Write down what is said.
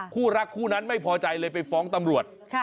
คู่รักคู่นั้นไม่พอใจเลยไปฟ้องตำรวจ